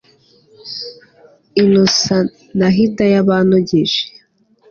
Innocent na Hidaya banogeje